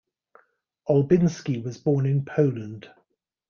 Olbinski was born in Poland.